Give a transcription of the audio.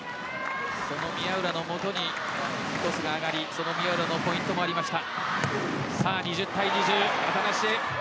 その宮浦のもとにトスが上がりその宮浦のポイントもありました。